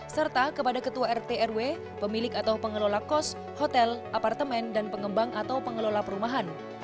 serta kepada ketua rt rw pemilik atau pengelola kos hotel apartemen dan pengembang atau pengelola perumahan